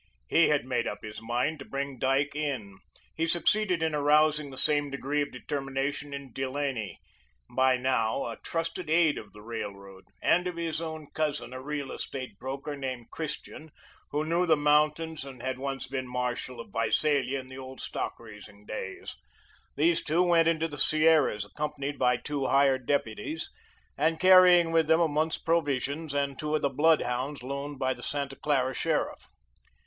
He had made up his mind to bring Dyke in. He succeeded in arousing the same degree of determination in Delaney by now, a trusted aide of the Railroad and of his own cousin, a real estate broker, named Christian, who knew the mountains and had once been marshal of Visalia in the old stock raising days. These two went into the Sierras, accompanied by two hired deputies, and carrying with them a month's provisions and two of the bloodhounds loaned by the Santa Clara sheriff.